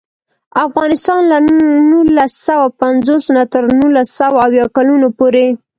افغانستان له نولس سوه پنځوس نه تر نولس سوه اویا کلونو پورې.